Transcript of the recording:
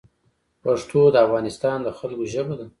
پښتو د افغانستان د خلګو ژبه ده